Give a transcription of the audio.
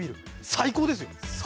最高ですよ。